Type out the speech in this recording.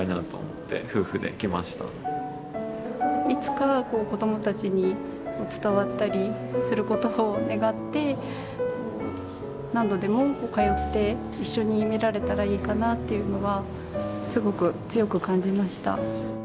いつか子どもたちに伝わったりすることを願って何度でも通って一緒に見られたらいいかなっていうのはすごく強く感じました。